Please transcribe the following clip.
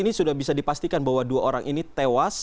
ini sudah bisa dipastikan bahwa dua orang ini tewas